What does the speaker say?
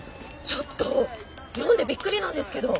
ちょっと読んでびっくりなんですけど。